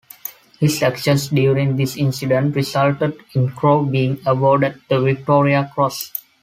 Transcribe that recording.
His actions during this incident resulted in Crowe being awarded the Victoria Cross.